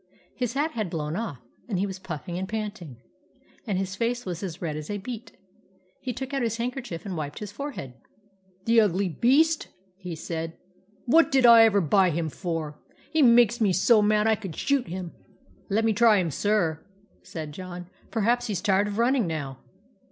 His hat had blown off, and he was puffing and panting, and his face was as red as a beet. He took out his handkerchief and wiped his forehead. " The ugly beast !" he said. " What did I ever buy him for ? He makes me so mad I could shoot him !"" Let me try him, sir," said John. " Per haps he 's tired of running now."